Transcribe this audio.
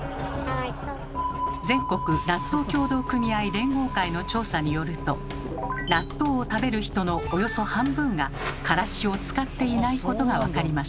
全国納豆協同組合連合会の調査によると納豆を食べる人のおよそ半分がからしを使っていないことが分かりました。